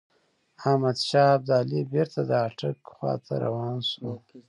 احمدشاه ابدالي بیرته د اټک خواته روان شوی.